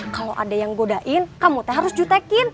kalau ada yang godain kamu teh harus jutekin